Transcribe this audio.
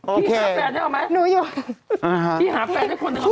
โอเคพี่หาแฟนได้ไหม